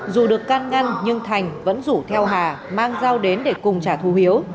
dù được can ngăn nhưng thành vẫn rủ theo hà mang dao đến để cùng trả thù hiếu